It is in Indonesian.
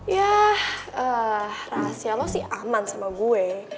ya rahasia lo sih aman sama gue